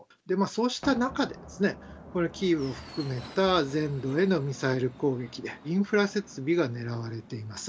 そうした中で、これ、キーウを含めた全土へのミサイル攻撃で、インフラ設備が狙われています。